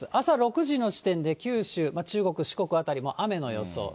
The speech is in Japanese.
朝６時の時点で九州、中国、四国辺りも雨の予想。